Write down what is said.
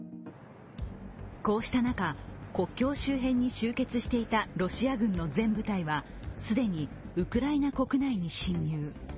こうした中、国境周辺に集結していたロシア軍の全部隊はすでにウクライナ国内に侵入。